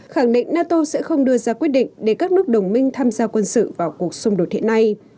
khẳng định nato sẽ không đưa ra quyết định để các nước đồng minh tham gia quân sự vào cuộc xung đột hiện nay